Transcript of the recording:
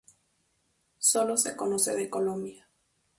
Solo se conoce de Colombia.